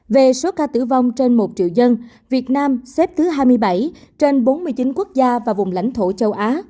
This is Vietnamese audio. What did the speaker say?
về số ca tử vong trên một triệu dân việt nam xếp thứ hai mươi bảy trên bốn mươi chín quốc gia và vùng lãnh thổ châu á